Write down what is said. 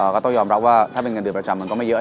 ก็ต้องยอมรับว่าถ้าเป็นเงินเดือนประจำมันก็ไม่เยอะ